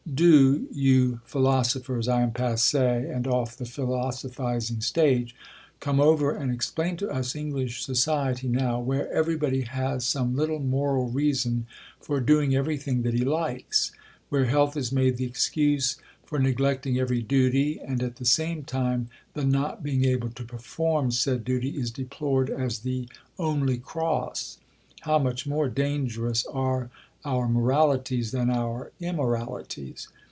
Do, you philosophers (I am passée and off the philosophizing stage), come over and explain to us English society now where everybody has some little moral reason for doing everything that he likes, where health is made the excuse for neglecting every duty and at the same time the not being able to perform said duty is deplored as the "only cross" how much more dangerous are our moralities than our immoralities.